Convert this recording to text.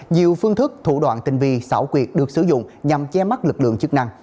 nhiều phương thức thủ đoạn tinh vi xảo quyệt được sử dụng nhằm che mắt lực lượng chức năng